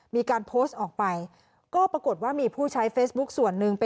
มีการโพสต์ออกไปก็ปรากฏว่ามีผู้ใช้เฟซบุ๊คส่วนหนึ่ง